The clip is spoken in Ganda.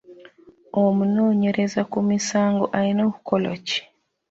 Omunoonyereza ku misango alina kukola ki?